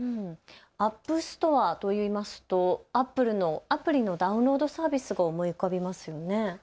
ＡｐｐＳｔｏｒｅといいますとＡｐｐｌｅのアプリのダウンロードサービスが思い浮かびますよね。